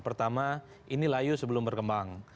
pertama ini layu sebelum berkembang